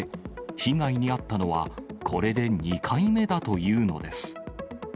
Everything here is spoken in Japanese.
被害に遭ったのは、これで２回目だというのです。